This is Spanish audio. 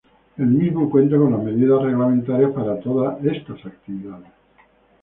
El mismo cuenta con las medidas reglamentarias para todas estas actividades.